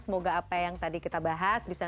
semoga apa yang tadi kita bahas bisa